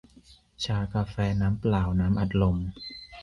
ชากาแฟ น้ำเปล่า น้ำอัดลม